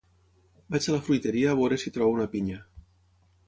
Vaig a la fruiteria a veure si trobo una pinya